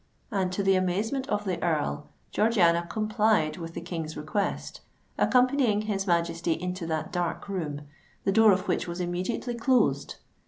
And to the amazement of the Earl, Georgiana complied with the King's request, accompanying his Majesty into that dark room, the door of which was immediately closed.